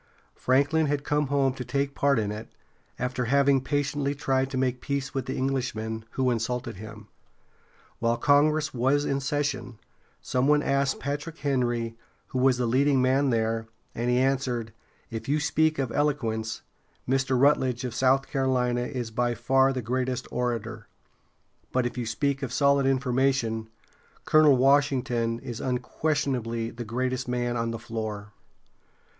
Franklin had come home to take part in it, after having patiently tried to make peace with the Englishmen, who insulted him. While Congress was in session, some one asked Patrick Henry who was the leading man there, and he answered: "If you speak of eloquence, Mr. Rut´ledge of South Carolina is by far the greatest orator; but if you speak of solid information, Colonel Washington is unquestionably the greatest man on the floor!"